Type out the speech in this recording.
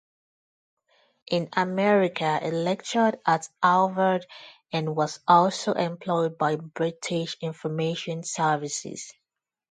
In America he lectured at Harvard and was also employed by British Information Services.